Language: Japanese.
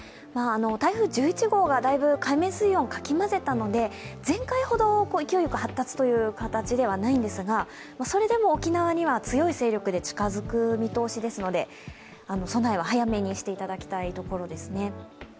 台風１１号が海面水温をかきまぜたので前回ほど強い発達という形ではないんですが、それでも沖縄には強い勢力で近づく見通しですので、備えは早めにしていただきたいところですね。